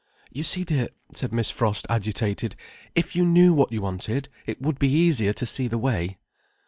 "You see, dear," said Miss Frost, agitated: "if you knew what you wanted, it would be easier to see the way."